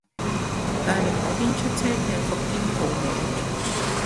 大陸嗰邊出車嘅復興號冇